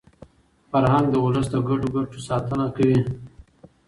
فرهنګ د ولس د ګډو ګټو ساتنه کوي.